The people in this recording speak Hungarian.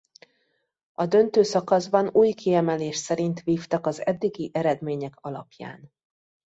A döntő szakaszban új kiemelés szerint vívtak az eddigi eredmények alapján.